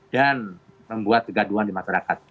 dan membuat gaduhan di masyarakat